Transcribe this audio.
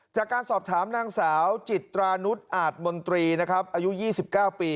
จากการสอบถามนางสาวจิตรานุษย์อาจมนตรีนะครับอายุ๒๙ปี